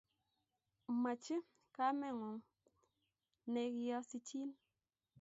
Machi kameng'ung' ne kiasichin